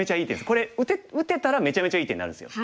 これ打てたらめちゃめちゃいい手になるんですよ。